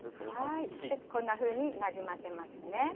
こんなふうになじませますね。